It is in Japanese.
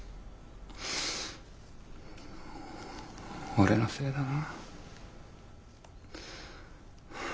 俺のせいだな。